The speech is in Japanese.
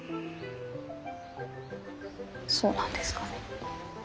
そうなんですかね。